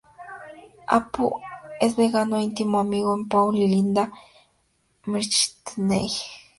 Apu es vegano e íntimo amigo de Paul y Linda McCartney.